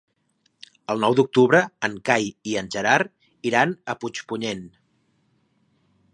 El nou d'octubre en Cai i en Gerard iran a Puigpunyent.